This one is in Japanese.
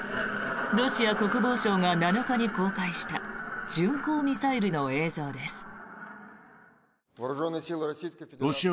ロシア国防省が７日に公開した巡航ミサイルの映像です。